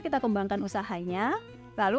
kita kembangkan usahanya lalu